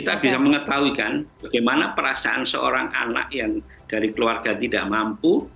kita bisa mengetahui kan bagaimana perasaan seorang anak yang dari keluarga tidak mampu